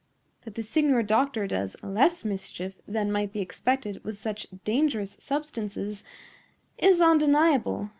That the signor doctor does less mischief than might be expected with such dangerous substances is undeniable.